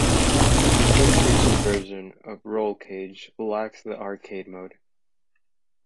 The PlayStation version of Rollcage lacks the "Arcade" mode.